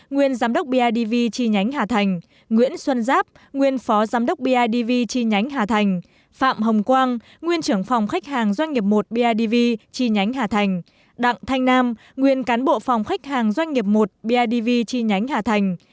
nguyên giám đốc bidv chi nhánh hà thành nguyễn xuân giáp nguyên phó giám đốc bidv chi nhánh hà thành phạm hồng quang nguyên trưởng phòng khách hàng doanh nghiệp một bidv chi nhánh hà thành đặng thanh nam nguyên cán bộ phòng khách hàng doanh nghiệp một bidv chi nhánh hà thành